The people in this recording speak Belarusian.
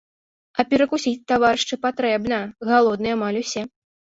А перакусіць, таварышы, патрэбна, галодныя амаль усе.